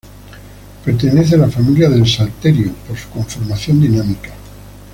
Pertenece a la familia del salterio por su conformación dinámica.